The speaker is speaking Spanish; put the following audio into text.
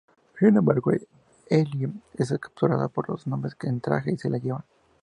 Sin embargo, Ellie es capturada por los hombres en traje y se la llevan.